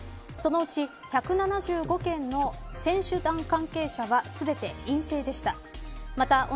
そのうち、１７５件の選手団関係者は全て陰性でした。